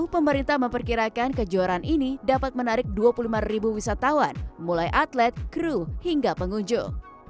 pemerintah memperkirakan kejuaraan ini dapat menarik dua puluh lima ribu wisatawan mulai atlet kru hingga pengunjung